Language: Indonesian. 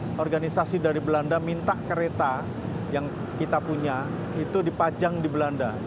kalau organisasi dari belanda minta kereta yang kita punya itu dipajang di belanda